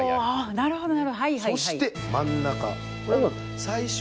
なるほどね。